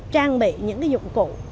trang bị những cái dụng cụ